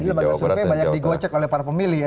jadi lembaga survei banyak di gocek oleh para pemilih ya